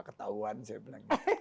ketahuan saya bilang